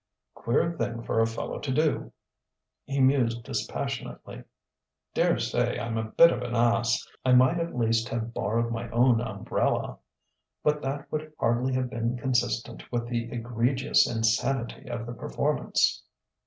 "Queer thing for a fellow to do," he mused dispassionately.... "Daresay I am a bit of an ass.... I might at least have borrowed my own umbrella.... But that would hardly have been consistent with the egregious insanity of the performance....